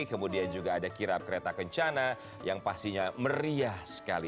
kemudian juga ada kirap kereta kencana yang pastinya meriah sekali